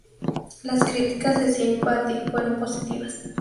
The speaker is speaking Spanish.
Las críticas de "Sympathy" fueron positivas.